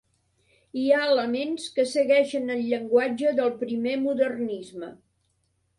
Hi ha elements que segueixen el llenguatge del primer modernisme.